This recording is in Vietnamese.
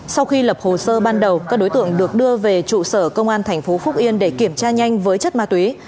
sau khi lập hồ sơ ban đầu các đối tượng được đưa về trụ sở công an thành phố phúc yên để kiểm tra nhanh với chất ma túy